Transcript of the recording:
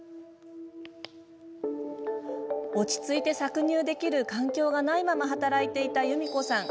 落ち着いて搾乳できる環境がないまま働いていたゆみこさん。